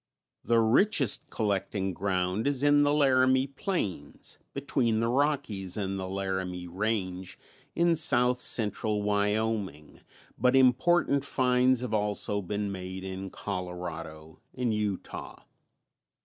The richest collecting ground is in the Laramie Plains, between the Rockies and the Laramie range in south central Wyoming, but important finds have also been made in Colorado and Utah.